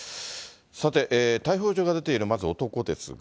さて、逮捕状が出ている、まず男ですが。